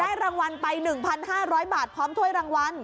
รางวัลไป๑๕๐๐บาทพร้อมถ้วยรางวัล